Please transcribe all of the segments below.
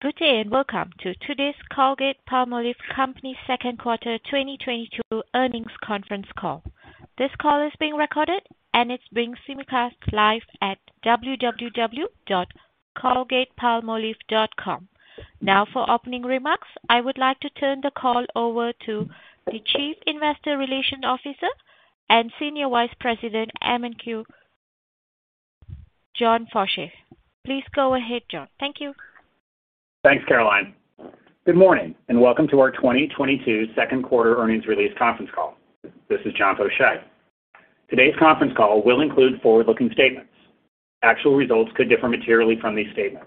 Good day, and welcome to today's Colgate-Palmolive Company second quarter 2022 earnings conference call. This call is being recorded and it's being simulcast live at www.colgatepalmolive.com. Now, for opening remarks, I would like to turn the call over to the Chief Investor Relations Officer and EVP, M&A, John Faucher. Please go ahead, John. Thank you. Thanks, Caroline. Good morning, and welcome to our 2022 second quarter earnings release conference call. This is John Faucher. Today's conference call will include forward-looking statements. Actual results could differ materially from these statements.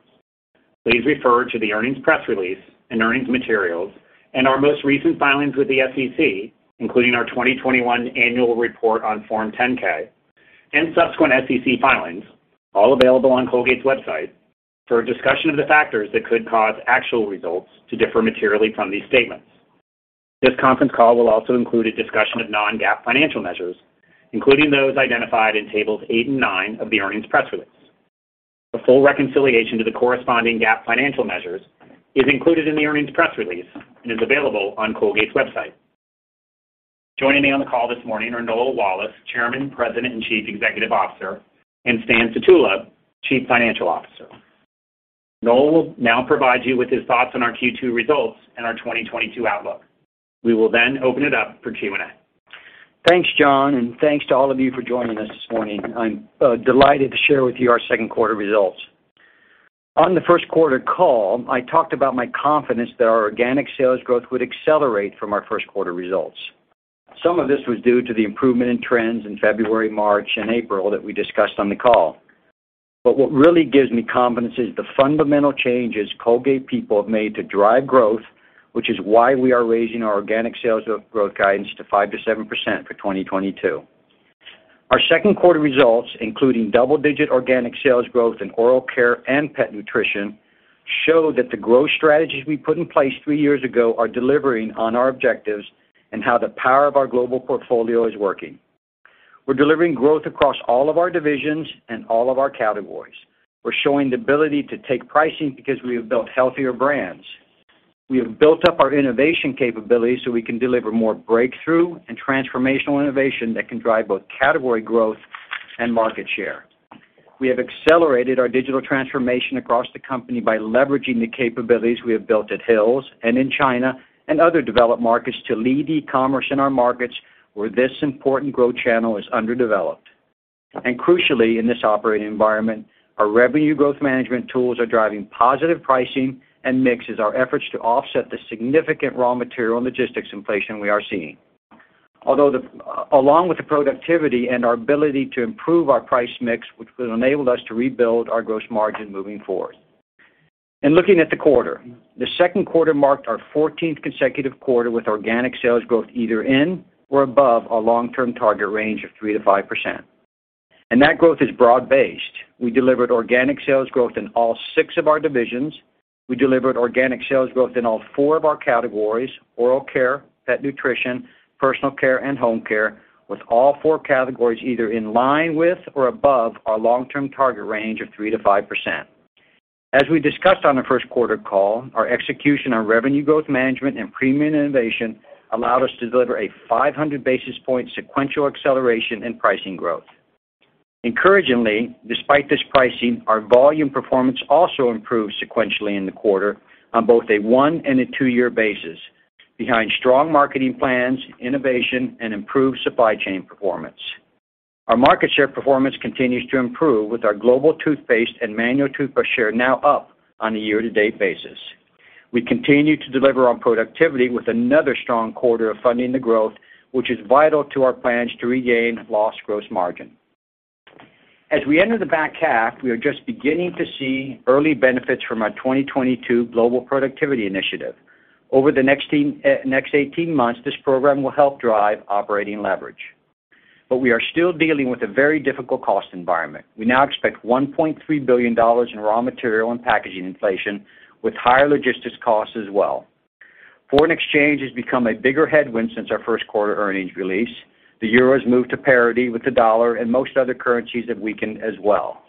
Please refer to the earnings press release and earnings materials and our most recent filings with the SEC, including our 2021 annual report on Form 10-K and subsequent SEC filings, all available on Colgate's website, for a discussion of the factors that could cause actual results to differ materially from these statements. This conference call will also include a discussion of non-GAAP financial measures, including those identified in tables 8 and 9 of the earnings press release. A full reconciliation to the corresponding GAAP financial measures is included in the earnings press release and is available on Colgate's website. Joining me on the call this morning are Noel Wallace, Chairman, President, and Chief Executive Officer, and Stan Sutula, Chief Financial Officer. Noel will now provide you with his thoughts on our Q2 results and our 2022 outlook. We will then open it up for Q&A. Thanks, John, and thanks to all of you for joining us this morning. I'm delighted to share with you our second quarter results. On the first quarter call, I talked about my confidence that our organic sales growth would accelerate from our first quarter results. Some of this was due to the improvement in trends in February, March, and April that we discussed on the call. What really gives me confidence is the fundamental changes Colgate people have made to drive growth, which is why we are raising our organic sales growth guidance to 5%-7% for 2022. Our second quarter results, including double-digit organic sales growth in oral care and pet nutrition, show that the growth strategies we put in place three years ago are delivering on our objectives and how the power of our global portfolio is working. We're delivering growth across all of our divisions and all of our categories. We're showing the ability to take pricing because we have built healthier brands. We have built up our innovation capabilities so we can deliver more breakthrough and transformational innovation that can drive both category growth and market share. We have accelerated our digital transformation across the company by leveraging the capabilities we have built at Hill's and in China and other developed markets to lead e-commerce in our markets where this important growth channel is underdeveloped. Crucially, in this operating environment, our revenue growth management tools are driving positive pricing and mix as our efforts to offset the significant raw material and logistics inflation we are seeing, along with the productivity and our ability to improve our price mix, which will enable us to rebuild our gross margin moving forward. Looking at the quarter, the second quarter marked our fourteenth consecutive quarter with organic sales growth either in or above our long-term target range of 3%-5%. That growth is broad-based. We delivered organic sales growth in all 6 of our divisions. We delivered organic sales growth in all 4 of our categories, oral care, pet nutrition, personal care, and home care, with all 4 categories either in line with or above our long-term target range of 3%-5%. As we discussed on the first quarter call, our execution on revenue growth management and premium innovation allowed us to deliver a 500 basis point sequential acceleration in pricing growth. Encouragingly, despite this pricing, our volume performance also improved sequentially in the quarter on both a 1- and 2-year basis behind strong marketing plans, innovation, and improved supply chain performance. Our market share performance continues to improve with our global toothpaste and manual toothbrush share now up on a year-to-date basis. We continue to deliver on productivity with another strong quarter of funding the growth, which is vital to our plans to regain lost gross margin. As we enter the back half, we are just beginning to see early benefits from our 2022 Global Productivity Initiative. Over the next 18 months, this program will help drive operating leverage. We are still dealing with a very difficult cost environment. We now expect $1.3 billion in raw material and packaging inflation, with higher logistics costs as well. Foreign exchange has become a bigger headwind since our first quarter earnings release. The Euro has moved to parity with the dollar, and most other currencies have weakened as well.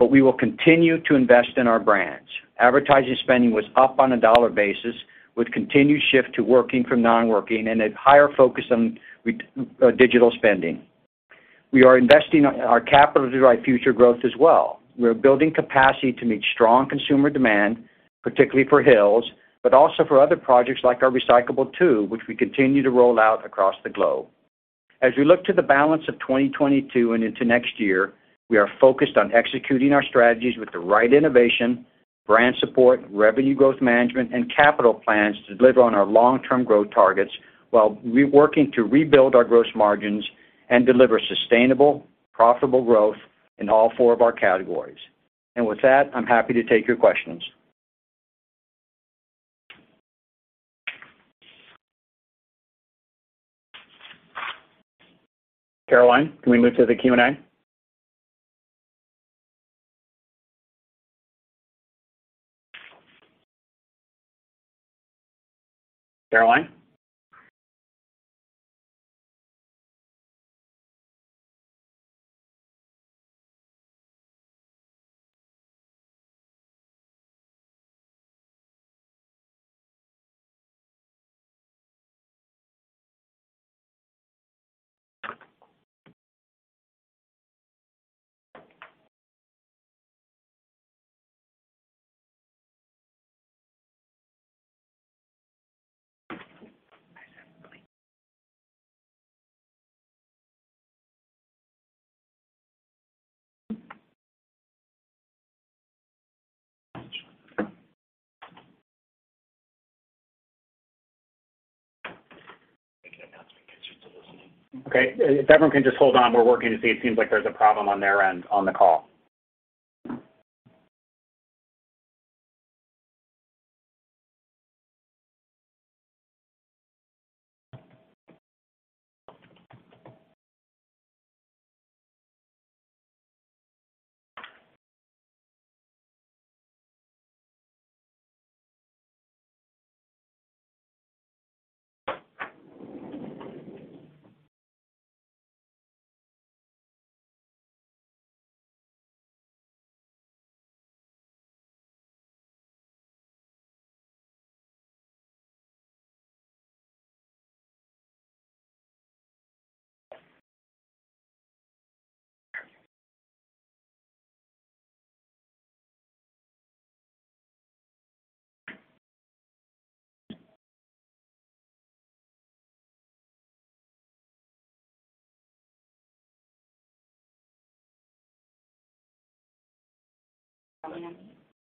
We will continue to invest in our brands. Advertising spending was up on a dollar basis, with continued shift to working from non-working and a higher focus on digital spending. We are investing our capital to drive future growth as well. We are building capacity to meet strong consumer demand, particularly for Hill's, but also for other projects like our recyclable tube, which we continue to roll out across the globe. As we look to the balance of 2022 and into next year, we are focused on executing our strategies with the right innovation, brand support, revenue growth management, and capital plans to deliver on our long-term growth targets while working to rebuild our gross margins and deliver sustainable, profitable growth in all four of our categories. With that, I'm happy to take your questions. Caroline, can we move to the Q&A? Caroline? Okay. If everyone can just hold on, we're working to see. It seems like there's a problem on their end on the call.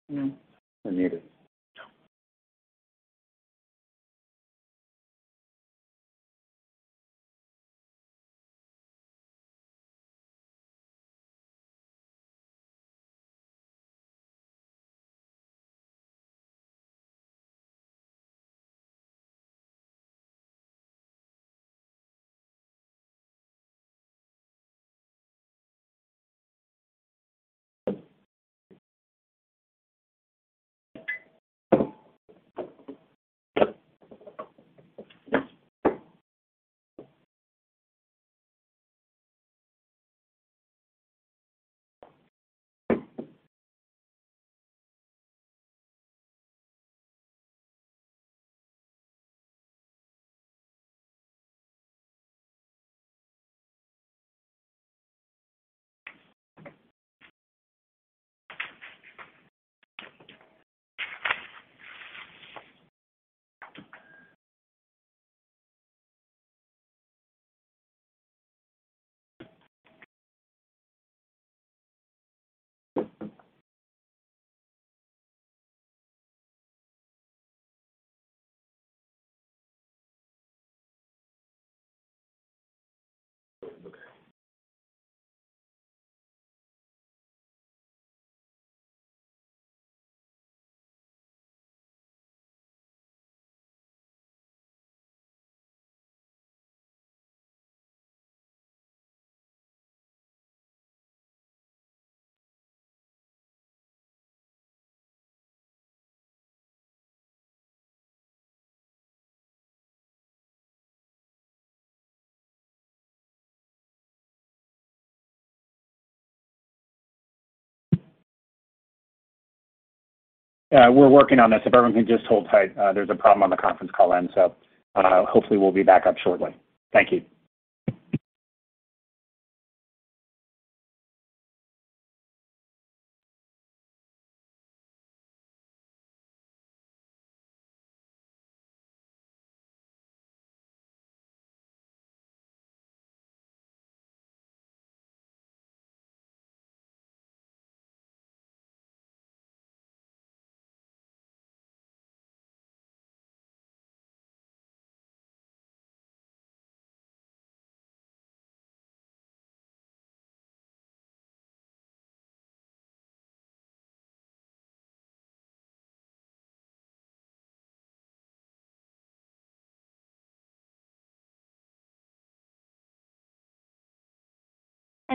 Yeah, we're working on this. If everyone can just hold tight, there's a problem on the conference call end, so, hopefully we'll be back up shortly. Thank you.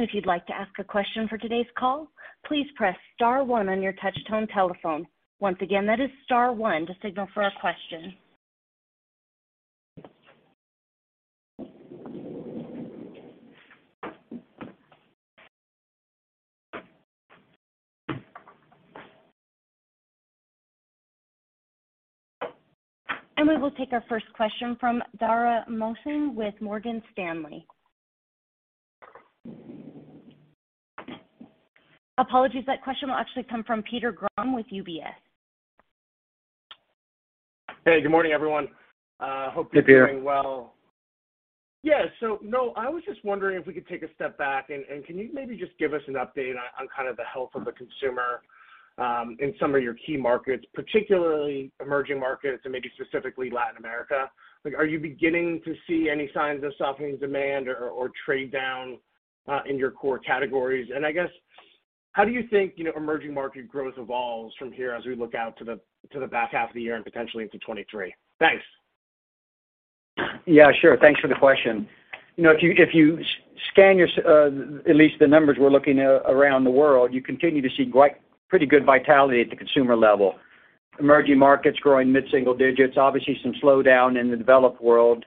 If you'd like to ask a question for today's call, please press star one on your touchtone telephone. Once again, that is star one to signal for a question. We will take our first question from Dara Mohsenian with Morgan Stanley. Apologies, that question will actually come from Peter Grom with UBS. Hey, good morning, everyone. Hope you're doing well. Good day. Yeah. No, I was just wondering if we could take a step back and can you maybe just give us an update on kind of the health of the consumer in some of your key markets, particularly emerging markets and maybe specifically Latin America? Like, are you beginning to see any signs of softening demand or trade down in your core categories? And I guess, how do you think, you know, emerging market growth evolves from here as we look out to the back half of the year and potentially into 2023? Thanks. Yeah, sure. Thanks for the question. You know, if you scan at least the numbers we're looking at around the world, you continue to see quite pretty good vitality at the consumer level. Emerging markets growing mid-single digits. Obviously, some slowdown in the developed world,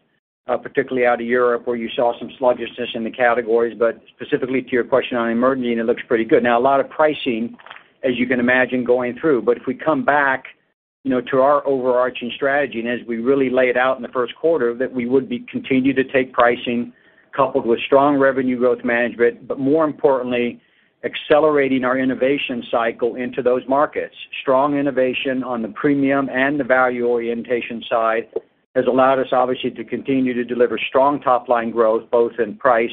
particularly out of Europe, where you saw some sluggishness in the categories. Specifically to your question on emerging, it looks pretty good. Now a lot of pricing, as you can imagine, going through. If we come back, you know, to our overarching strategy and as we really laid out in the first quarter, that we would continue to take pricing coupled with strong revenue growth management. More importantly, accelerating our innovation cycle into those markets. Strong innovation on the premium and the value orientation side has allowed us, obviously, to continue to deliver strong top-line growth both in price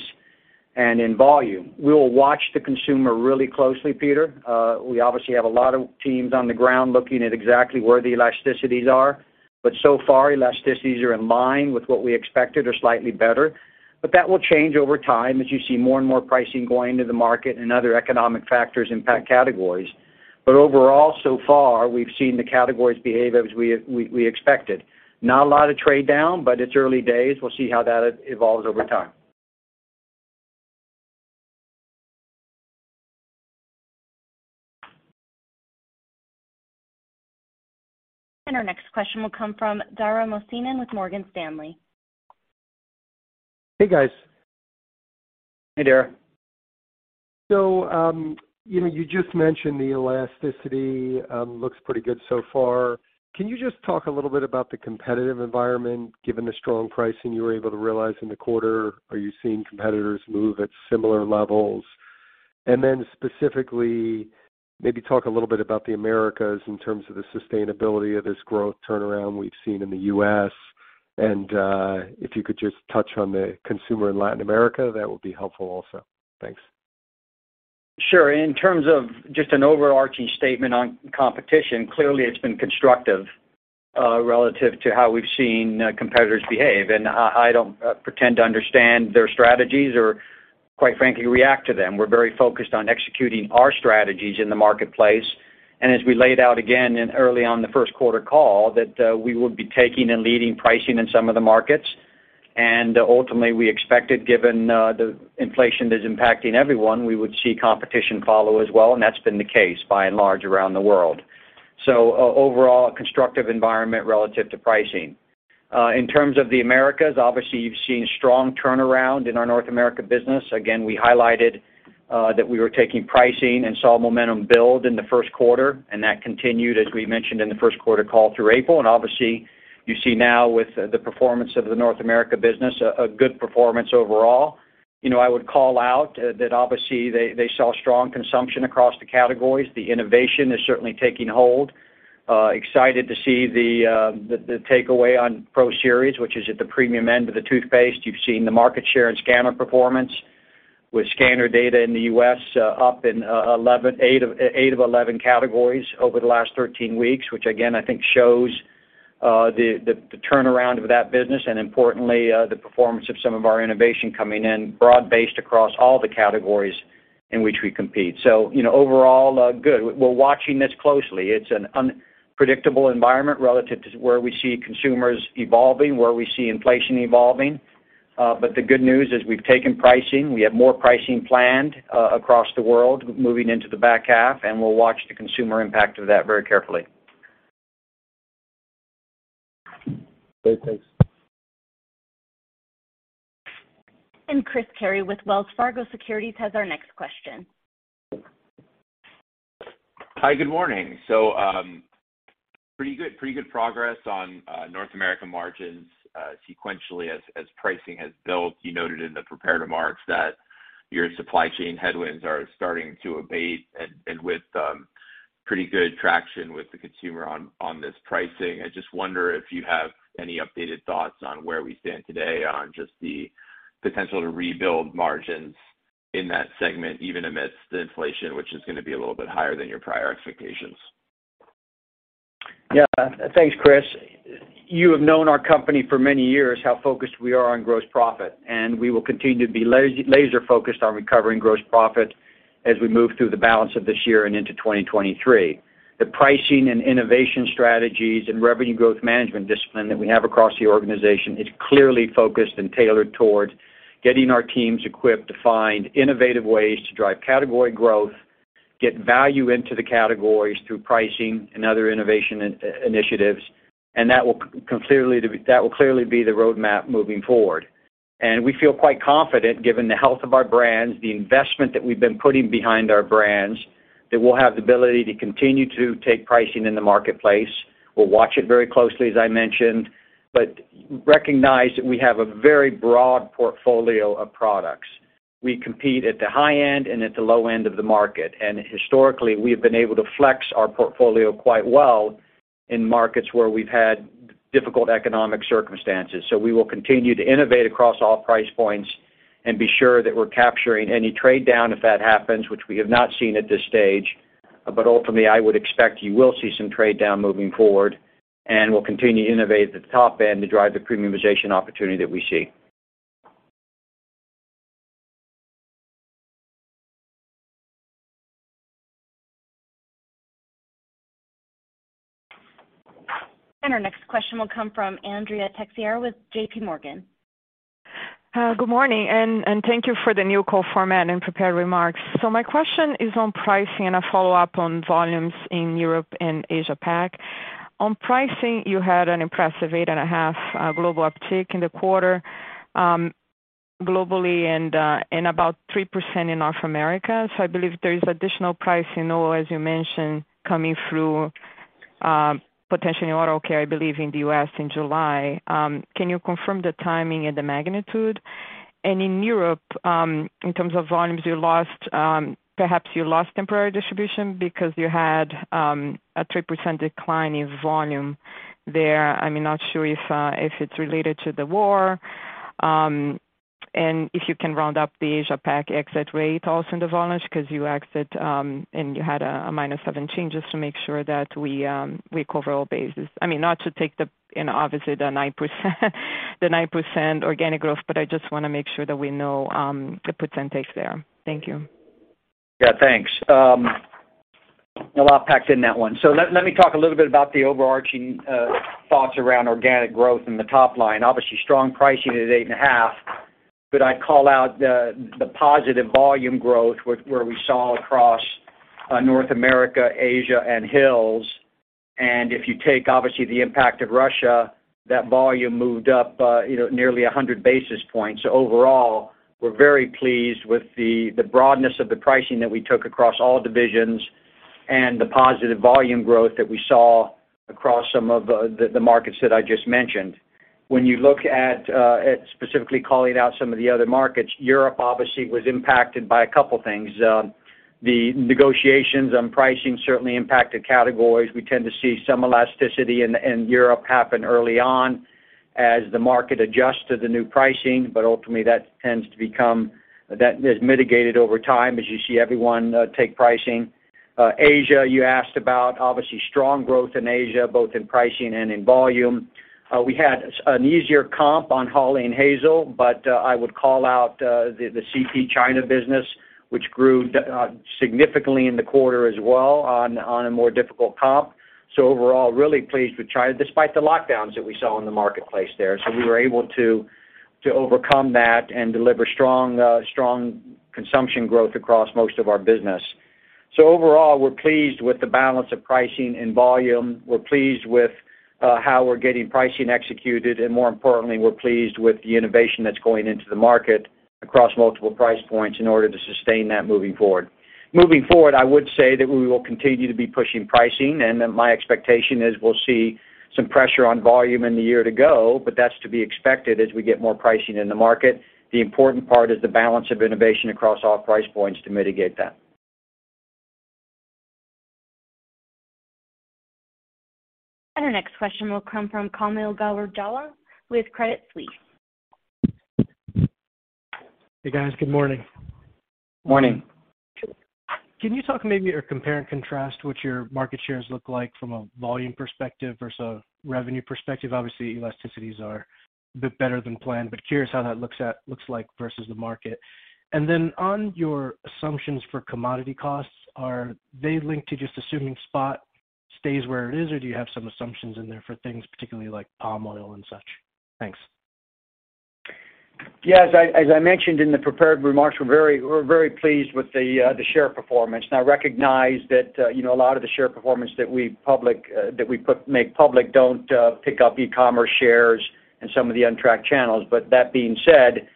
and in volume. We will watch the consumer really closely, Peter. We obviously have a lot of teams on the ground looking at exactly where the elasticities are, but so far elasticities are in line with what we expected or slightly better. That will change over time as you see more and more pricing going to the market and other economic factors impact categories. Overall, so far, we've seen the categories behave as we expected. Not a lot of trade down, but it's early days. We'll see how that evolves over time. Our next question will come from Dara Mohsenian with Morgan Stanley. Hey, guys. Hey, Dara. You know, you just mentioned the elasticity looks pretty good so far. Can you just talk a little bit about the competitive environment given the strong pricing you were able to realize in the quarter? Are you seeing competitors move at similar levels? Specifically, maybe talk a little bit about the Americas in terms of the sustainability of this growth turnaround we've seen in the US. If you could just touch on the consumer in Latin America, that would be helpful also. Thanks. Sure. In terms of just an overarching statement on competition, clearly it's been constructive, relative to how we've seen competitors behave. I don't pretend to understand their strategies or quite frankly react to them. We're very focused on executing our strategies in the marketplace. As we laid out again early on the first quarter call, we would be taking and leading pricing in some of the markets. Ultimately, we expected, given the inflation that is impacting everyone, we would see competition follow as well, and that's been the case by and large around the world. Overall, a constructive environment relative to pricing. In terms of the Americas, obviously you've seen strong turnaround in our North America business. Again, we highlighted that we were taking pricing and saw momentum build in the first quarter, and that continued, as we mentioned in the first quarter call, through April. Obviously, you see now with the performance of the North America business, a good performance overall. You know, I would call out that obviously they saw strong consumption across the categories. The innovation is certainly taking hold. Excited to see the takeaway on Pro Series, which is at the premium end of the toothpaste. You've seen the market share and scanner performance with scanner data in the US up in 8 of 11 categories over the last 13 weeks, which again, I think shows the turnaround of that business and importantly, the performance of some of our innovation coming in broad-based across all the categories in which we compete. You know, overall good. We're watching this closely. It's an unpredictable environment relative to where we see consumers evolving, where we see inflation evolving. The good news is we've taken pricing. We have more pricing planned across the world moving into the back half, and we'll watch the consumer impact of that very carefully. Great. Thanks. Christopher Carey with Wells Fargo Securities has our next question. Hi, good morning. Pretty good progress on North America margins sequentially as pricing has built. You noted in the prepared remarks that your supply chain headwinds are starting to abate and with pretty good traction with the consumer on this pricing. I just wonder if you have any updated thoughts on where we stand today on just the potential to rebuild margins in that segment, even amidst the inflation, which is gonna be a little bit higher than your prior expectations. Yeah. Thanks, Chris. You have known our company for many years, how focused we are on gross profit, and we will continue to be laser focused on recovering gross profit as we move through the balance of this year and into 2023. The pricing and innovation strategies and revenue growth management discipline that we have across the organization is clearly focused and tailored towards getting our teams equipped to find innovative ways to drive category growth, get value into the categories through pricing and other innovation initiatives, and that will clearly be the roadmap moving forward. We feel quite confident, given the health of our brands, the investment that we've been putting behind our brands, that we'll have the ability to continue to take pricing in the marketplace. We'll watch it very closely, as I mentioned, but recognize that we have a very broad portfolio of products. We compete at the high end and at the low end of the market. Historically, we have been able to flex our portfolio quite well in markets where we've had difficult economic circumstances. We will continue to innovate across all price points and be sure that we're capturing any trade down if that happens, which we have not seen at this stage. Ultimately, I would expect you will see some trade down moving forward, and we'll continue to innovate at the top end to drive the premiumization opportunity that we see. Our next question will come from Andrea Teixeira with JP Morgan. Good morning, and thank you for the new call format and prepared remarks. My question is on pricing and a follow-up on volumes in Europe and Asia-Pac. On pricing, you had an impressive 8.5 global uptick in the quarter, globally and about 3% in North America. I believe there is additional price, you know, as you mentioned, coming through, potentially in oral care, I believe in the U.S. in July. Can you confirm the timing and the magnitude? In Europe, in terms of volumes you lost, perhaps you lost temporary distribution because you had a 3% decline in volume there. I'm not sure if it's related to the war. If you can round up the Asia-Pac exit rate also in the volumes, because you exit, and you had a minus 7 changes to make sure that we cover all bases. I mean, not to take the, and obviously the 9%, the 9% organic growth, but I just wanna make sure that we know the puts and takes there. Thank you. Yeah, thanks. A lot packed in that one. Let me talk a little bit about the overarching thoughts around organic growth in the top line. Obviously, strong pricing at 8.5%, but I'd call out the positive volume growth where we saw across North America, Asia, and Hill's. If you take obviously the impact of Russia, that volume moved up, you know, nearly 100 basis points. Overall, we're very pleased with the broadness of the pricing that we took across all divisions and the positive volume growth that we saw across some of the markets that I just mentioned. When you look at specifically calling out some of the other markets, Europe obviously was impacted by a couple things. The negotiations on pricing certainly impacted categories. We tend to see some elasticity in Europe happen early on as the market adjusts to the new pricing, but ultimately that is mitigated over time as you see everyone take pricing. Asia, you asked about, obviously strong growth in Asia, both in pricing and in volume. We had an easier comp on Hawley & Hazel, but I would call out the CP China business, which grew significantly in the quarter as well on a more difficult comp. Overall, really pleased with China, despite the lockdowns that we saw in the marketplace there. We were able to overcome that and deliver strong consumption growth across most of our business. Overall, we're pleased with the balance of pricing and volume. We're pleased with how we're getting pricing executed, and more importantly, we're pleased with the innovation that's going into the market across multiple price points in order to sustain that moving forward. Moving forward, I would say that we will continue to be pushing pricing, and then my expectation is we'll see some pressure on volume in the year to go, but that's to be expected as we get more pricing in the market. The important part is the balance of innovation across all price points to mitigate that. Our next question will come from Kaumil Gajrawala with Credit Suisse. Hey, guys. Good morning. Morning. Can you talk maybe or compare and contrast what your market shares look like from a volume perspective versus a revenue perspective? Obviously, elasticities are a bit better than planned, but curious how that looks like versus the market. On your assumptions for commodity costs, are they linked to just assuming spot stays where it is, or do you have some assumptions in there for things, particularly like palm oil and such? Thanks. Yeah. As I mentioned in the prepared remarks, we're very pleased with the share performance. Now, recognize that, you know, a lot of the share performance that we make public don't pick up e-commerce shares and some of the untracked channels. That being said,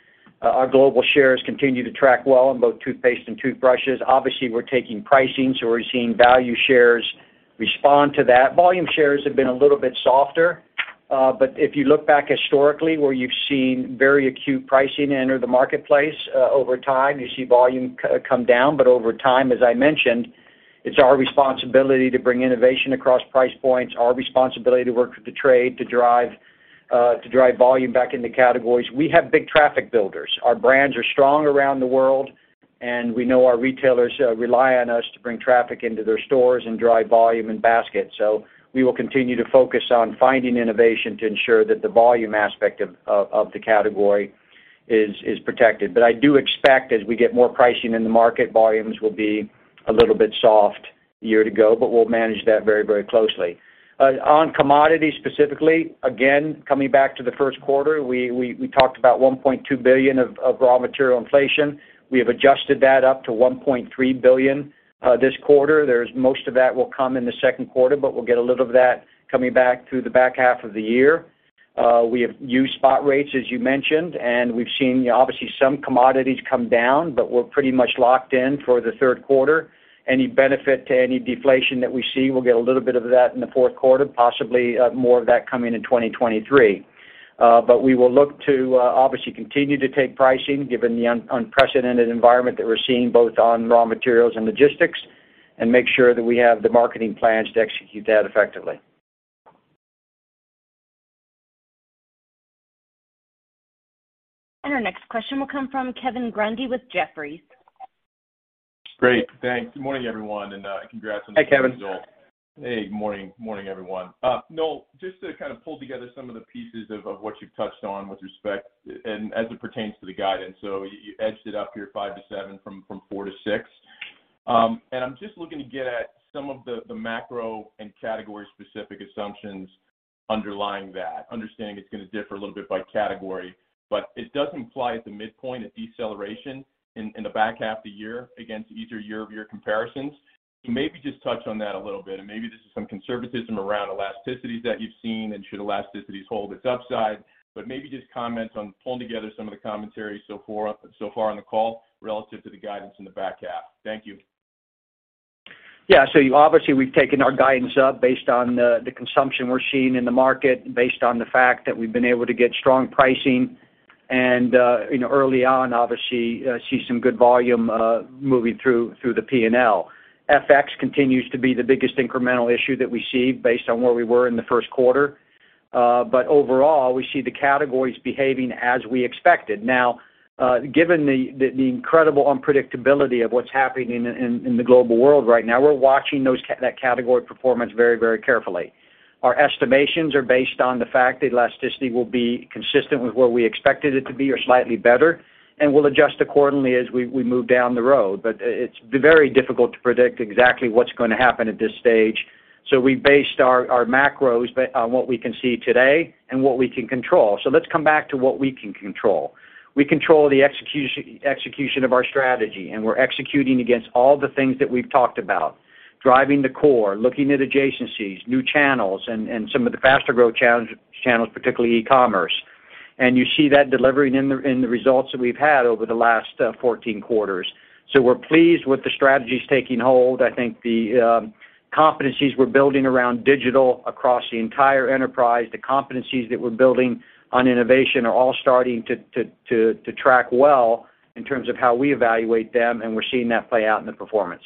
our global shares continue to track well in both toothpaste and toothbrushes. Obviously, we're taking pricing, so we're seeing value shares respond to that. Volume shares have been a little bit softer. If you look back historically where you've seen very acute pricing enter the marketplace, over time, you see volume come down. Over time, as I mentioned, it's our responsibility to bring innovation across price points, our responsibility to work with the trade to drive volume back into categories. We have big traffic builders. Our brands are strong around the world, and we know our retailers rely on us to bring traffic into their stores and drive volume and basket. We will continue to focus on finding innovation to ensure that the volume aspect of the category is protected. I do expect as we get more pricing in the market, volumes will be a little bit soft year-over-year, but we'll manage that very closely. On commodities specifically, again, coming back to the first quarter, we talked about $1.2 billion of raw material inflation. We have adjusted that up to $1.3 billion this quarter. Most of that will come in the second quarter, but we'll get a little of that coming back through the back half of the year. We have used spot rates, as you mentioned, and we've seen obviously some commodities come down, but we're pretty much locked in for the third quarter. Any benefit to any deflation that we see, we'll get a little bit of that in the fourth quarter, possibly, more of that coming in 2023. We will look to obviously continue to take pricing given the unprecedented environment that we're seeing both on raw materials and logistics and make sure that we have the marketing plans to execute that effectively. Our next question will come from Kevin Grundy with Jefferies. Great. Thanks. Good morning, everyone, and congrats on the results. Hey, Kevin. Hey, good morning. Morning, everyone. Noel, just to kind of pull together some of the pieces of what you've touched on with respect and as it pertains to the guidance. You edged it up here 5%-7% from 4%-6%. I'm just looking to get at some of the macro and category-specific assumptions underlying that, understanding it's gonna differ a little bit by category. It does imply at the midpoint a deceleration in the back half of the year against easier year-over-year comparisons. Maybe just touch on that a little bit, and maybe this is some conservatism around elasticities that you've seen and should elasticities hold its upside. Maybe just comment on pulling together some of the commentary so far on the call relative to the guidance in the back half. Thank you. Yeah. Obviously, we've taken our guidance up based on the consumption we're seeing in the market, based on the fact that we've been able to get strong pricing, and you know, early on, obviously, see some good volume moving through the P&L. FX continues to be the biggest incremental issue that we see based on where we were in the first quarter. Overall, we see the categories behaving as we expected. Now, given the incredible unpredictability of what's happening in the global world right now, we're watching that category performance very, very carefully. Our estimations are based on the fact that elasticity will be consistent with what we expected it to be or slightly better, and we'll adjust accordingly as we move down the road. It's very difficult to predict exactly what's gonna happen at this stage, so we based our macros on what we can see today and what we can control. Let's come back to what we can control. We control the execution of our strategy, and we're executing against all the things that we've talked about, driving the core, looking at adjacencies, new channels and some of the faster growth channels, particularly e-commerce. You see that delivering in the results that we've had over the last 14 quarters. We're pleased with the strategies taking hold. I think the competencies we're building around digital across the entire enterprise, the competencies that we're building on innovation are all starting to track well in terms of how we evaluate them, and we're seeing that play out in the performance.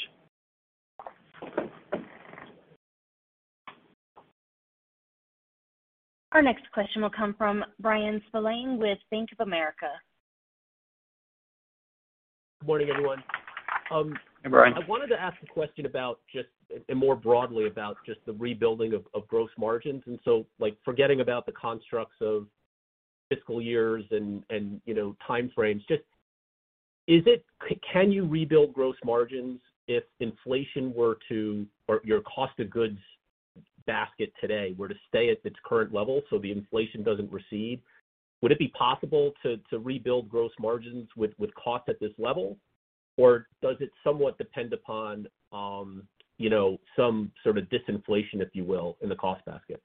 Our next question will come from Bryan Spillane with Bank of America. Good morning, everyone. Hey, Bryan. I wanted to ask a question about just and more broadly about the rebuilding of gross margins. Like, forgetting about the constructs of fiscal years and, you know, time frames, just, can you rebuild gross margins if inflation were to or your cost of goods basket today were to stay at its current level so the inflation doesn't recede? Would it be possible to rebuild gross margins with cost at this level? Does it somewhat depend upon some sort of disinflation, if you will, in the cost basket?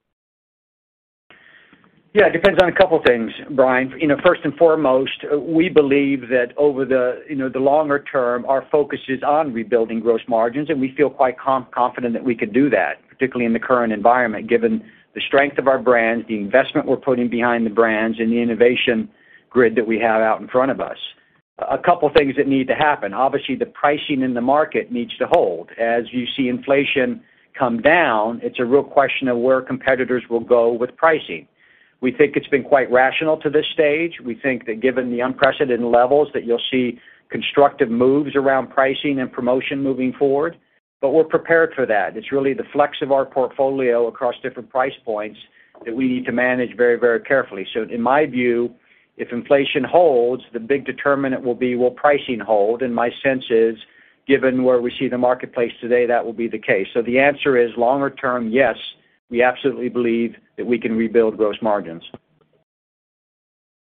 Yeah. It depends on a couple things, Bryan. You know, first and foremost, we believe that over the, you know, the longer term, our focus is on rebuilding gross margins, and we feel quite confident that we could do that, particularly in the current environment, given the strength of our brands, the investment we're putting behind the brands and the innovation grid that we have out in front of us. A couple things that need to happen. Obviously, the pricing in the market needs to hold. As you see inflation come down, it's a real question of where competitors will go with pricing. We think it's been quite rational to this stage. We think that given the unprecedented levels, that you'll see constructive moves around pricing and promotion moving forward, but we're prepared for that. It's really the flex of our portfolio across different price points that we need to manage very, very carefully. In my view, if inflation holds, the big determinant will be pricing hold? My sense is, given where we see the marketplace today, that will be the case. The answer is longer term, yes, we absolutely believe that we can rebuild gross margins.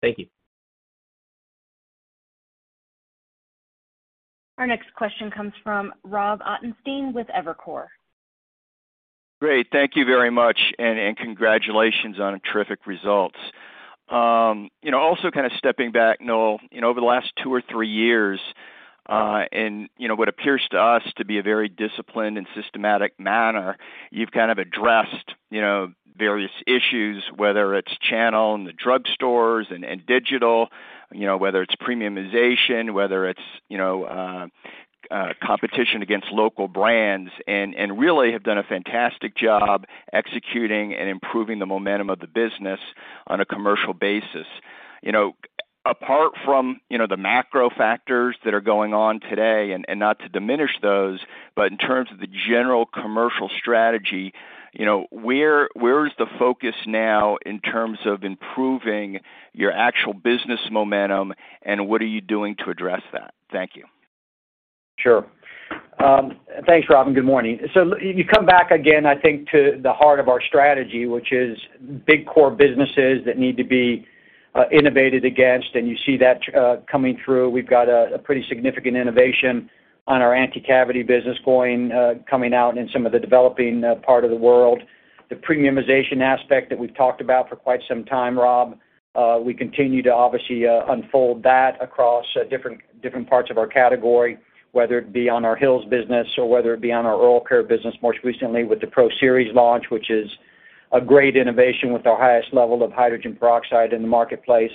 Thank you. Our next question comes from Robert Ottenstein with Evercore. Great. Thank you very much and congratulations on terrific results. You know, also kind of stepping back, Noel, you know, over the last two or three years, and you know, what appears to us to be a very disciplined and systematic manner, you've kind of addressed, you know, various issues, whether it's channel in the drugstores and digital, you know, whether it's premiumization, whether it's, you know, competition against local brands and really have done a fantastic job executing and improving the momentum of the business on a commercial basis. You know, apart from, you know, the macro factors that are going on today, and not to diminish those, but in terms of the general commercial strategy, you know, where is the focus now in terms of improving your actual business momentum, and what are you doing to address that? Thank you. Sure. Thanks, Rob, and good morning. You come back again, I think, to the heart of our strategy, which is big core businesses that need to be innovated against, and you see that coming through. We've got a pretty significant innovation on our anti-cavity business going coming out in some of the developing part of the world. The premiumization aspect that we've talked about for quite some time, Rob, we continue to obviously unfold that across different parts of our category, whether it be on our Hill's business or whether it be on our oral care business, most recently with the Pro Series launch, which is a great innovation with our highest level of hydrogen peroxide in the marketplace.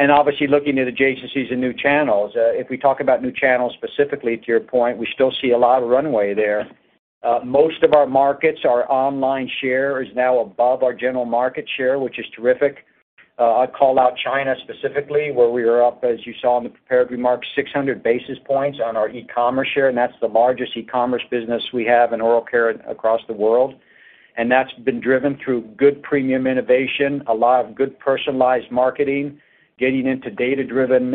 Obviously looking at adjacencies and new channels. If we talk about new channels specifically, to your point, we still see a lot of runway there. Most of our markets, our online share is now above our general market share, which is terrific. I'd call out China specifically, where we are up, as you saw in the prepared remarks, 600 basis points on our e-commerce share, and that's the largest e-commerce business we have in oral care across the world. That's been driven through good premium innovation, a lot of good personalized marketing, getting into data-driven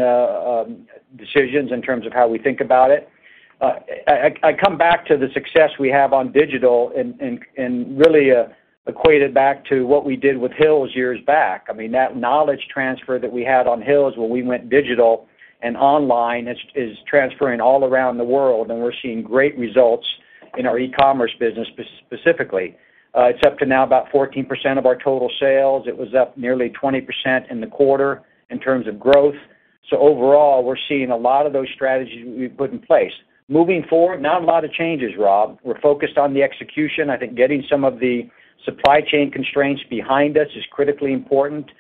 decisions in terms of how we think about it. I come back to the success we have on digital and really equate it back to what we did with Hill's years back. I mean, that knowledge transfer that we had on Hill's when we went digital and online is transferring all around the world, and we're seeing great results in our e-commerce business specifically. It's up to now about 14% of our total sales. It was up nearly 20% in the quarter in terms of growth. Overall, we're seeing a lot of those strategies we've put in place. Moving forward, not a lot of changes, Rob. We're focused on the execution. I think getting some of the supply chain constraints behind us is critically important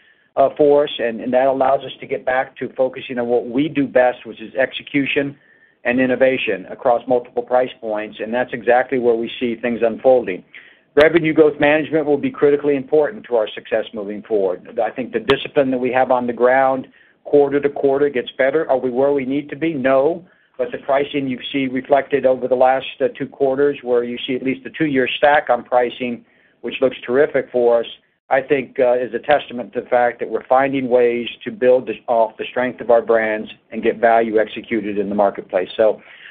for us, and that allows us to get back to focusing on what we do best, which is execution and innovation across multiple price points. That's exactly where we see things unfolding. Revenue growth management will be critically important to our success moving forward. I think the discipline that we have on the ground quarter-over-quarter gets better. Are we where we need to be? No. The pricing you see reflected over the last 2 quarters, where you see at least a 2-year stack on pricing, which looks terrific for us, I think, is a testament to the fact that we're finding ways to build this off the strength of our brands and get value executed in the marketplace.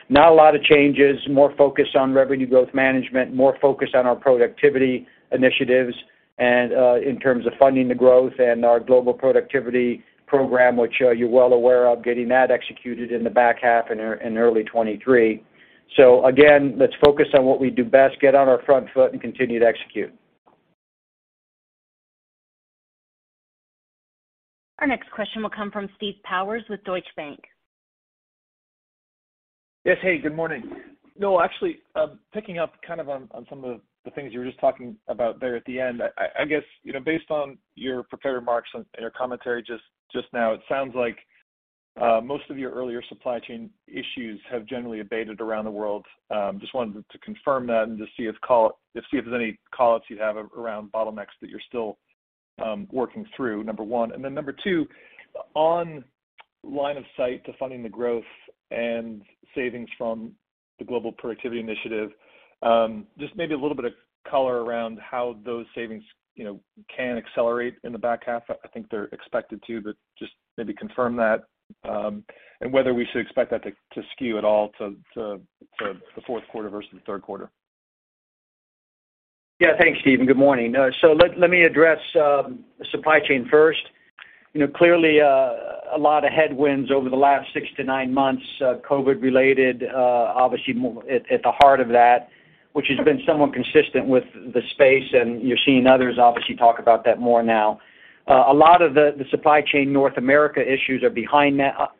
Not a lot of changes. More focus on revenue growth management, more focus on our productivity initiatives and, in terms of funding the growth and our global productivity program, which, you're well aware of, getting that executed in the back half and early 2023. Again, let's focus on what we do best, get on our front foot, and continue to execute. Our next question will come from Stephen Powers with Deutsche Bank. Yes. Hey, good morning. Actually, picking up kind of on some of the things you were just talking about there at the end. I guess, you know, based on your prepared remarks and your commentary just now, it sounds like most of your earlier supply chain issues have generally abated around the world. Just wanted to confirm that and just see if there's any callouts you have around bottlenecks that you're still working through, number one. Then number two, on line of sight to funding the growth and savings from the global productivity initiative, just maybe a little bit of color around how those savings, you know, can accelerate in the back half. I think they're expected to, but just maybe confirm that, and whether we should expect that to the fourth quarter versus the third quarter. Yeah. Thanks, Steve, and good morning. Let me address supply chain first. You know, clearly, a lot of headwinds over the last 6-9 months, COVID related, obviously at the heart of that, which has been somewhat consistent with the space, and you're seeing others obviously talk about that more now. A lot of the supply chain North America issues are behind us.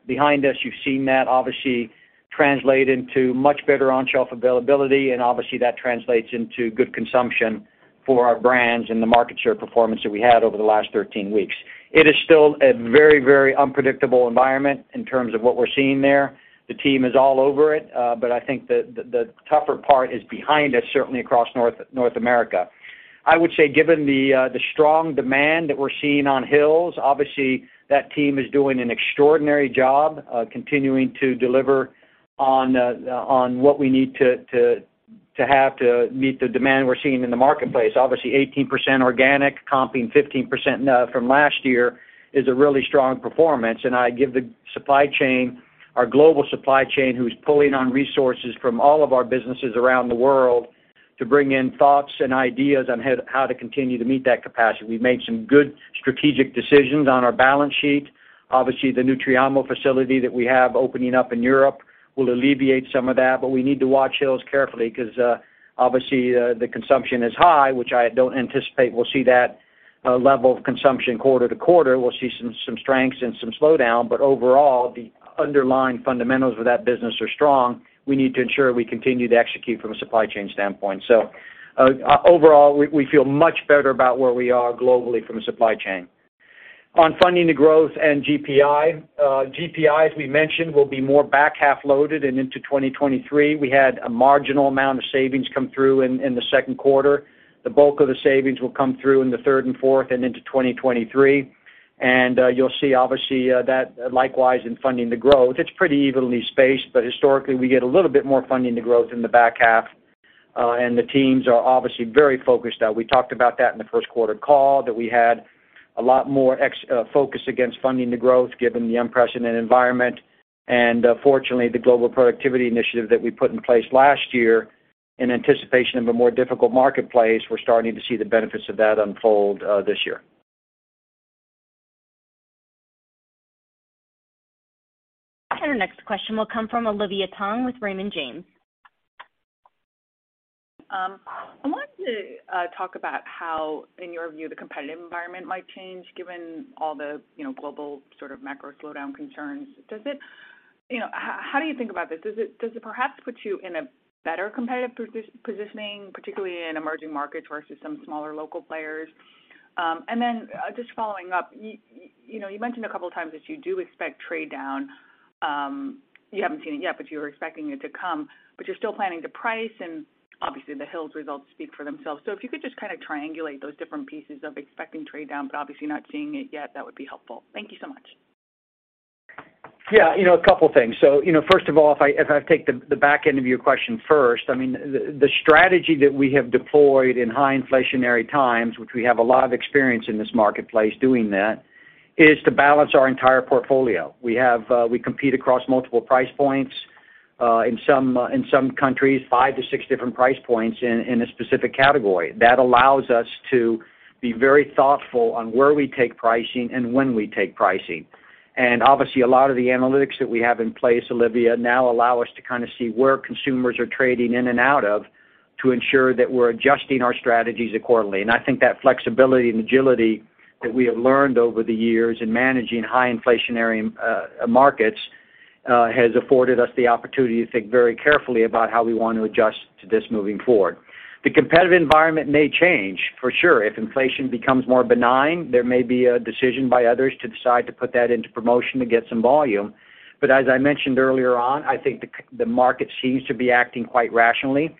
You've seen that obviously translate into much better on-shelf availability, and obviously that translates into good consumption for our brands and the market share performance that we had over the last 13 weeks. It is still a very unpredictable environment in terms of what we're seeing there. The team is all over it, but I think the tougher part is behind us, certainly across North America. I would say, given the strong demand that we're seeing on Hill's, obviously that team is doing an extraordinary job, continuing to deliver on what we need to have to meet the demand we're seeing in the marketplace. Obviously 18% organic, comping 15% from last year is a really strong performance. I give the supply chain, our global supply chain, who's pulling on resources from all of our businesses around the world to bring in thoughts and ideas on how to continue to meet that capacity. We've made some good strategic decisions on our balance sheet. Obviously, the Nutriamo facility that we have opening up in Europe will alleviate some of that, but we need to watch Hill's carefully because obviously the consumption is high, which I don't anticipate we'll see that level of consumption quarter to quarter. We'll see some strengths and some slowdown. But overall, the underlying fundamentals of that business are strong. We need to ensure we continue to execute from a supply chain standpoint. Overall, we feel much better about where we are globally from a supply chain. On funding the growth and GPI. GPI, as we mentioned, will be more back-half loaded and into 2023. We had a marginal amount of savings come through in the second quarter. The bulk of the savings will come through in the third and fourth and into 2023. You'll see obviously that likewise in funding the growth. It's pretty evenly spaced, but historically we get a little bit more funding the growth in the back half. The teams are obviously very focused. We talked about that in the first quarter call, that we had a lot more focus against funding the growth given the unprecedented environment. Fortunately, the Global Productivity Initiative that we put in place last year in anticipation of a more difficult marketplace, we're starting to see the benefits of that unfold this year. Our next question will come from Olivia Tong with Raymond James. I wanted to talk about how, in your view, the competitive environment might change given all the, you know, global sort of macro slowdown concerns. You know, how do you think about this? Does it perhaps put you in a better competitive positioning, particularly in emerging markets versus some smaller local players? Just following up, you know, you mentioned a couple of times that you do expect trade down. You haven't seen it yet, but you're expecting it to come, but you're still planning to price and obviously the Hill's results speak for themselves. If you could just kind of triangulate those different pieces of expecting trade down but obviously not seeing it yet, that would be helpful. Thank you so much. Yeah. You know, a couple things. You know, first of all, if I take the back end of your question first, I mean, the strategy that we have deployed in high inflationary times, which we have a lot of experience in this marketplace doing that, is to balance our entire portfolio. We compete across multiple price points, in some countries, 5-6 different price points in a specific category. That allows us to be very thoughtful on where we take pricing and when we take pricing. Obviously, a lot of the analytics that we have in place, Olivia, now allow us to kinda see where consumers are trading in and out of to ensure that we're adjusting our strategies accordingly. I think that flexibility and agility that we have learned over the years in managing high inflationary markets has afforded us the opportunity to think very carefully about how we want to adjust to this moving forward. The competitive environment may change, for sure. If inflation becomes more benign, there may be a decision by others to decide to put that into promotion to get some volume. But as I mentioned earlier on, I think the market seems to be acting quite rationally.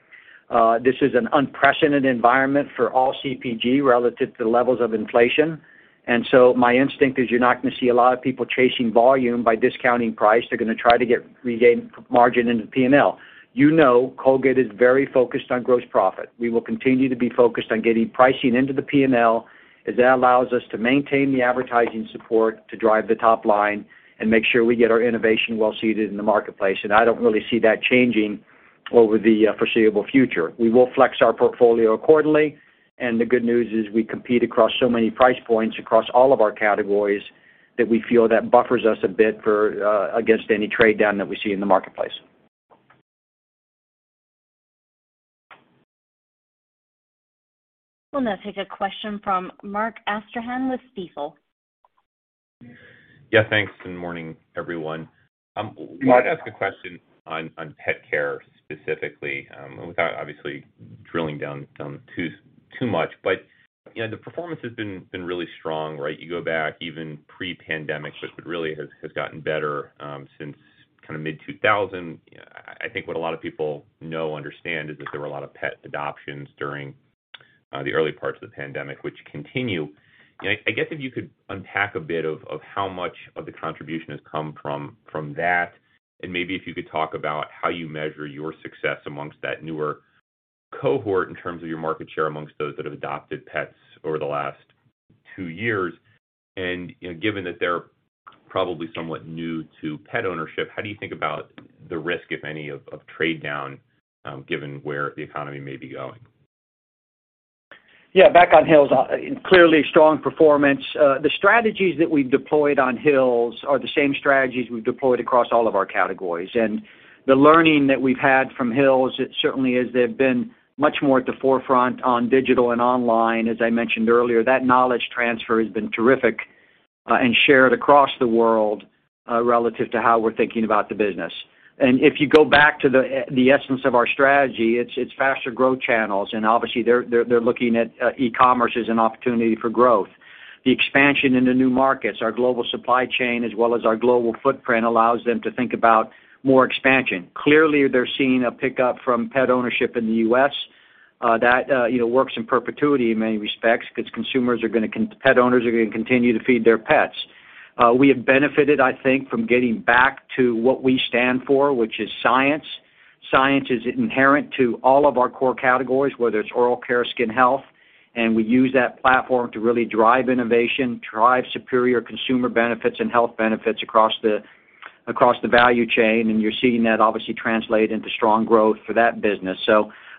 This is an unprecedented environment for all CPG relative to levels of inflation. My instinct is you're not gonna see a lot of people chasing volume by discounting price. They're gonna try to regain margin into P&L. You know Colgate is very focused on gross profit. We will continue to be focused on getting pricing into the P&L, as that allows us to maintain the advertising support to drive the top line and make sure we get our innovation well seated in the marketplace. I don't really see that changing over the foreseeable future. We will flex our portfolio accordingly, and the good news is we compete across so many price points across all of our categories that we feel that buffers us a bit for against any trade down that we see in the marketplace. We'll now take a question from Mark Astrachan with Stifel. Yeah, thanks and morning, everyone. Wanted to ask a question on pet care specifically, without obviously drilling down too much. You know, the performance has been really strong, right? You go back even pre-pandemic, but it really has gotten better since kinda mid-2000. I think what a lot of people know understand is that there were a lot of pet adoptions during the early parts of the pandemic, which continue. You know, I guess if you could unpack a bit of how much of the contribution has come from that, and maybe if you could talk about how you measure your success amongst that newer cohort in terms of your market share amongst those that have adopted pets over the last two years. You know, given that they're probably somewhat new to pet ownership, how do you think about the risk, if any, of trade down, given where the economy may be going? Yeah. Back on Hill's, clearly strong performance. The strategies that we've deployed on Hill's are the same strategies we've deployed across all of our categories. The learning that we've had from Hill's, it certainly is they've been much more at the forefront on digital and online, as I mentioned earlier. That knowledge transfer has been terrific, and shared across the world, relative to how we're thinking about the business. If you go back to the essence of our strategy, it's faster growth channels, and obviously they're looking at e-commerce as an opportunity for growth. The expansion into new markets, our global supply chain as well as our global footprint allows them to think about more expansion. Clearly, they're seeing a pickup from pet ownership in the US, that you know works in perpetuity in many respects 'cause consumers are gonna pet owners are gonna continue to feed their pets. We have benefited, I think, from getting back to what we stand for, which is science. Science is inherent to all of our core categories, whether it's oral care, skin health, and we use that platform to really drive innovation, drive superior consumer benefits and health benefits across the value chain, and you're seeing that obviously translate into strong growth for that business.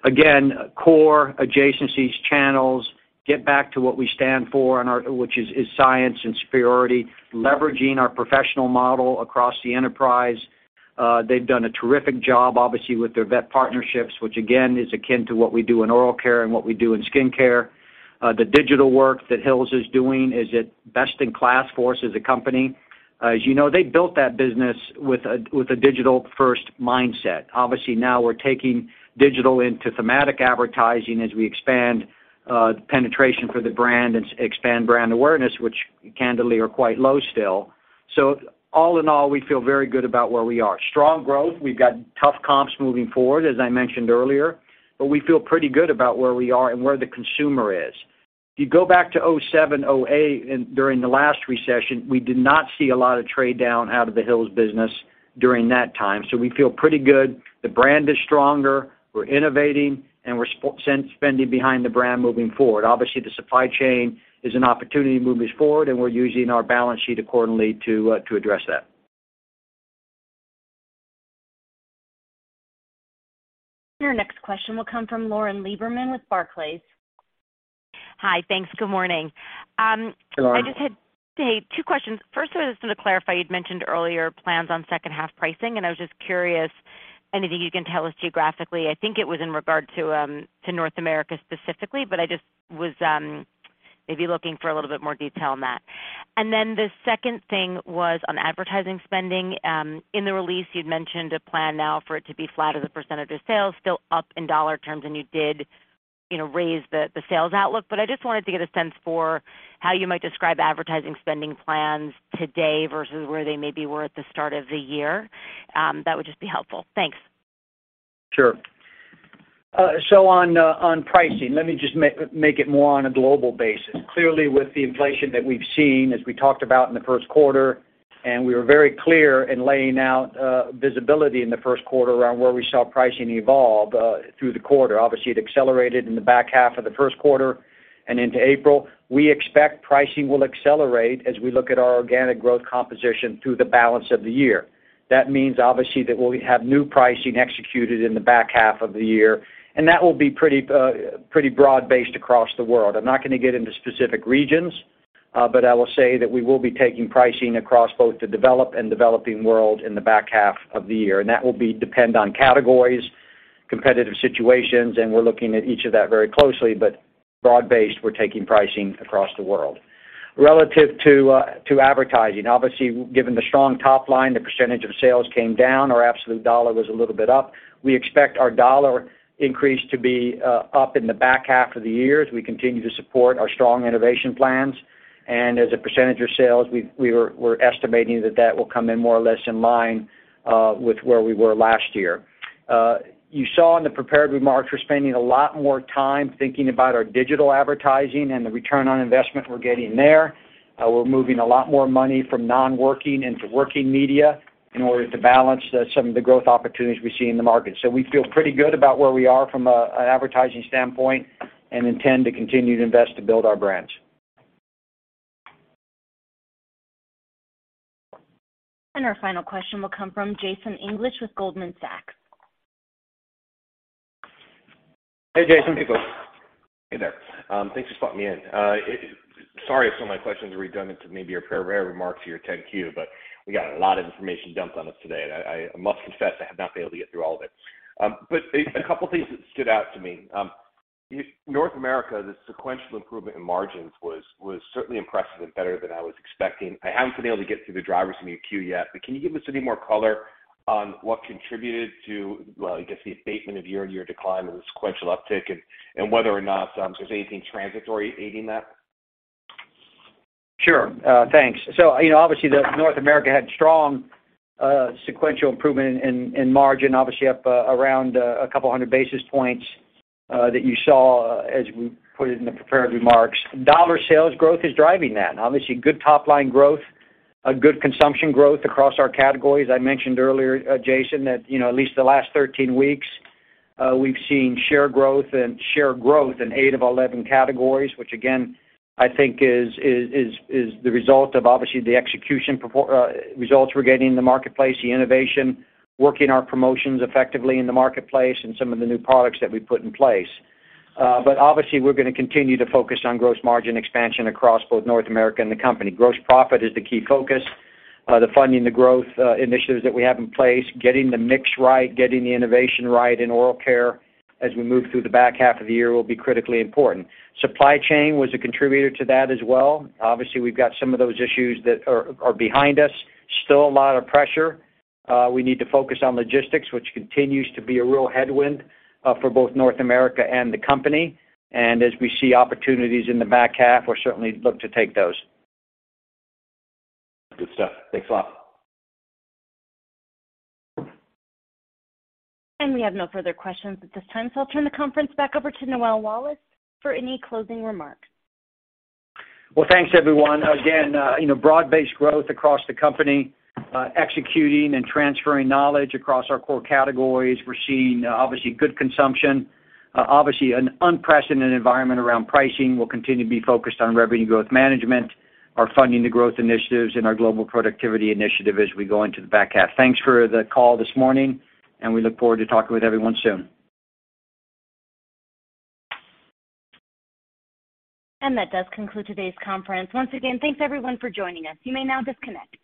Again, core adjacencies, channels, get back to what we stand for, which is science and superiority, leveraging our professional model across the enterprise. They've done a terrific job obviously with their vet partnerships, which again is akin to what we do in oral care and what we do in skincare. The digital work that Hill's is doing is best in class for us as a company. As you know, they built that business with a digital-first mindset. Obviously, now we're taking digital into thematic advertising as we expand the penetration for the brand and expand brand awareness, which candidly are quite low still. All in all, we feel very good about where we are. Strong growth. We've got tough comps moving forward, as I mentioned earlier, but we feel pretty good about where we are and where the consumer is. If you go back to 2007, 2008 during the last recession, we did not see a lot of trade down out of the Hill's business during that time, so we feel pretty good. The brand is stronger. We're innovating, and we're spending behind the brand moving forward. Obviously, the supply chain is an opportunity moving forward, and we're using our balance sheet accordingly to address that. Your next question will come from Lauren Lieberman with Barclays. Hi. Thanks. Good morning. Lauren. I just had, hey, two questions. First, I just wanna clarify, you'd mentioned earlier plans on second half pricing, and I was just curious anything you can tell us geographically. I think it was in regard to North America specifically, but I just was, maybe looking for a little bit more detail on that. Then the second thing was on advertising spending. In the release, you'd mentioned a plan now for it to be flat as a percentage of sales, still up in dollar terms, and you did, you know, raise the sales outlook. I just wanted to get a sense for how you might describe advertising spending plans today versus where they maybe were at the start of the year. That would just be helpful. Thanks. Sure. On pricing, let me just make it more on a global basis. Clearly, with the inflation that we've seen, as we talked about in the first quarter, and we were very clear in laying out visibility in the first quarter around where we saw pricing evolve through the quarter. Obviously, it accelerated in the back half of the first quarter and into April. We expect pricing will accelerate as we look at our organic growth composition through the balance of the year. That means, obviously, that we'll have new pricing executed in the back half of the year, and that will be pretty broad-based across the world. I'm not gonna get into specific regions, but I will say that we will be taking pricing across both the developed and developing world in the back half of the year. That will depend on categories, competitive situations, and we're looking at each of that very closely, but broad-based, we're taking pricing across the world. Relative to advertising, obviously, given the strong top line, the percentage of sales came down or absolute dollar was a little bit up. We expect our dollar increase to be up in the back half of the year as we continue to support our strong innovation plans. As a percentage of sales, we're estimating that that will come in more or less in line with where we were last year. You saw in the prepared remarks, we're spending a lot more time thinking about our digital advertising and the return on investment we're getting there. We're moving a lot more money from non-working into working media in order to balance some of the growth opportunities we see in the market. We feel pretty good about where we are from an advertising standpoint and intend to continue to invest to build our brands. Our final question will come from Jason English with Goldman Sachs. Hey, Jason. Hey, Jason. Hey there. Thanks for spotting me in. Sorry if some of my questions are redundant to maybe your prepared remarks or your 10-Q, but we got a lot of information dumped on us today. I must confess, I have not been able to get through all of it. A couple things that stood out to me. North America, the sequential improvement in margins was certainly impressive and better than I was expecting. I haven't been able to get through the drivers in your Q yet, but can you give us any more color on what contributed to, well, I guess, the abatement of year-on-year decline and the sequential uptick, and whether or not there's anything transitory aiding that? Sure. Thanks. You know, obviously, North America had strong sequential improvement in margin, obviously up around 200 basis points, that you saw as we put it in the prepared remarks. Dollar sales growth is driving that. Obviously, good top line growth, a good consumption growth across our categories. I mentioned earlier, Jason, that, you know, at least the last 13 weeks, we've seen share growth in 8 of 11 categories, which again, I think is the result of obviously the execution results we're getting in the marketplace, the innovation, working our promotions effectively in the marketplace and some of the new products that we put in place. But obviously, we're gonna continue to focus on gross margin expansion across both North America and the company. Gross profit is the key focus. The funding the growth initiatives that we have in place, getting the mix right, getting the innovation right in oral care as we move through the back half of the year will be critically important. Supply chain was a contributor to that as well. Obviously, we've got some of those issues that are behind us. Still a lot of pressure. We need to focus on logistics, which continues to be a real headwind for both North America and the company. As we see opportunities in the back half, we'll certainly look to take those. Good stuff. Thanks a lot. We have no further questions at this time, so I'll turn the conference back over to Noel Wallace for any closing remarks. Well, thanks, everyone. Again, you know, broad-based growth across the company, executing and transferring knowledge across our core categories. We're seeing, obviously, good consumption, obviously an unprecedented environment around pricing. We'll continue to be focused on revenue growth management, our funding the growth initiatives and our Global Productivity Initiative as we go into the back half. Thanks for the call this morning, and we look forward to talking with everyone soon. That does conclude today's conference. Once again, thanks everyone for joining us. You may now disconnect.